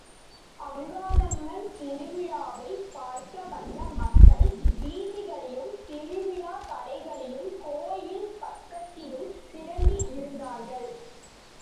அங்காளம்மன் திருவிழாவைப் பார்க்க வந்த மக்கள் வீதிகளிலும் திருவிழாக் கடைகளிலும் கோயில் பக்கத்திலும் திரண்டிருந்தார்கள்.